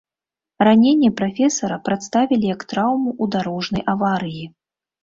Раненне прафесара прадставілі як траўму ў дарожнай аварыі.